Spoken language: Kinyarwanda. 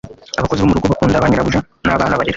Abakozi bo murugo bakunda banyirabuja na abana barera